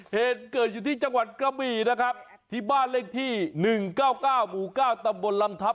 เหตุเกิดอยู่ที่จังหวัดกระบี่นะครับที่บ้านเลขที่๑๙๙หมู่๙ตำบลลำทัพ